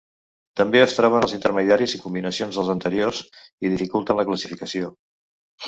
També es troben els intermedis i combinacions dels anteriors, i dificulten la classificació.